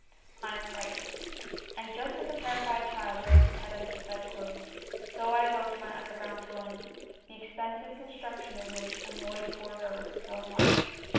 I am frightened. And just as a terrified child buries its head under the bed clothes, so I go to my underground dwell ing, the expensive construction of which annoyed poor Herbert so much.